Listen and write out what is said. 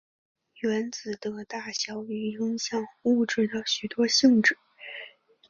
原子的大小与影响物质的许多性质。